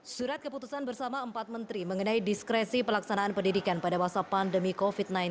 surat keputusan bersama empat menteri mengenai diskresi pelaksanaan pendidikan pada masa pandemi covid sembilan belas